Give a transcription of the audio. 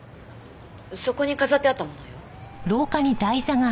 そこに飾ってあったものよ。